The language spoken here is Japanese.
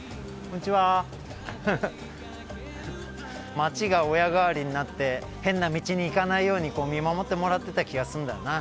町が親代わりになって変な道に行かないように見守ってもらってた気がすんだよな。